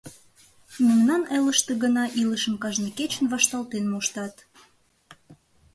— Мемнан элыште гына илышым кажне кечын вашталтен моштат.